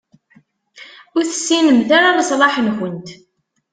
Ur tessinemt ara leṣlaḥ-nkent.